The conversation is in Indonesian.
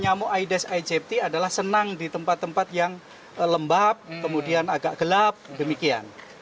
nyamuk aedes aegypti adalah senang di tempat tempat yang lembab kemudian agak gelap demikian